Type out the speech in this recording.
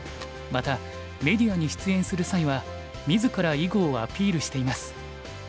またメディアに出演する際は自ら囲碁をアピールしています。